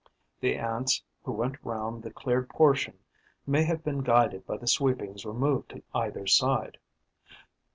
The Ants who went round the cleared portion may have been guided by the sweepings removed to either side.